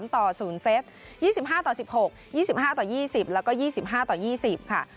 ต่อ๐เซต๒๕ต่อ๑๖๒๕ต่อ๒๐แล้วก็๒๕ต่อ๒๐ค่ะ